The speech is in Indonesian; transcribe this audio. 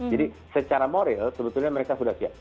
jadi secara moral sebetulnya mereka sudah siap